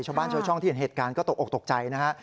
ชาวบ้านชาวช่องที่เห็นเหตุการณ์ก็ตกออกตกใจนะฮะ